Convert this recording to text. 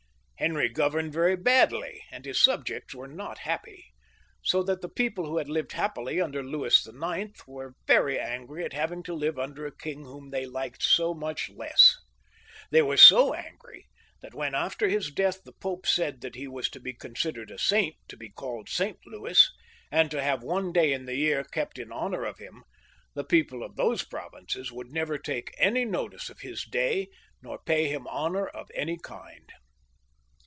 Henry governed very badly, and his sub jects were not happy, so that the people who had lived happily under Louis IX. were very angry at having to live under a king whom they liked so much less weU. They were so angry that when, after his death, the Pope said that he was to be considered a saint, to be called St. Louis, and to have one day in the year kept in honour of him, the people of these provinces would never take any notice of his day, nor pay him honour of any kind.